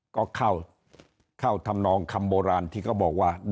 ก็เข้าทำนองคำโบราณที่เขาบอกว่า